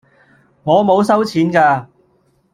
我冇收錢㗎